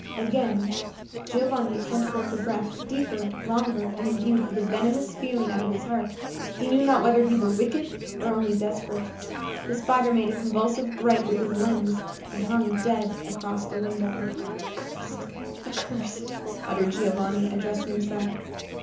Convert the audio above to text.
Again Giovanni sent forth a breath, deeper, longer, and imbued with a venomous feeling out of his heart: he knew not whether he were wicked, or only desperate. The spider made a convulsive gripe with his limbs and hung dead across the window. "Accursed! accursed!" muttered Giovanni, addressing himself.